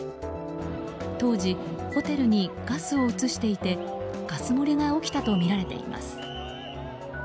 当時、ホテルにガスを移していてガス漏れが起きたとみられています。